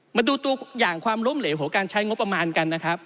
มาดูตัวอย่างความล้มเหลวของการใช้งบประมาณกันนะครับ